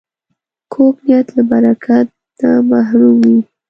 کوږ نیت له برکت نه محروم وي